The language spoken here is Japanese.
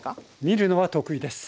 見るのは得意です！